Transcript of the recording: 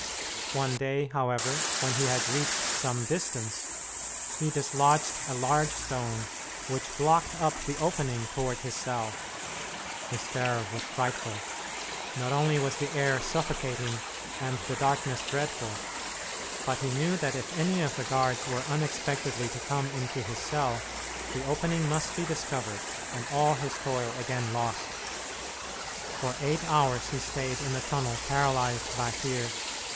One day, however, when he had reached some distance, he dislodged a large stone which blocked up the opening toward his cell. His terror was frightful. Not only was the air suffocating, and the darkness dreadful, but he knew that if any of the guards were unexpectedly to come into his cell, the opening must be discovered, and all his toil again lost. For eight hours he stayed in the tunnel paralyzed by fear.